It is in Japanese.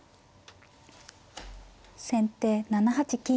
先手７八金。